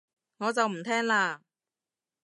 我就唔聽喇